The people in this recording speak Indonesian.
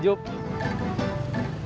terima kasih juk